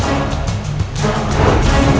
seperti hal itu